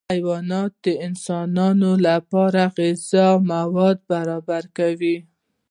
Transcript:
حیوانات د انسانانو لپاره غذایي مواد برابر کوي